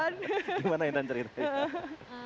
gimana intan ceritanya